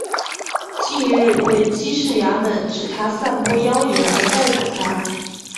近日被缉事衙门指他散播妖言而逮捕他。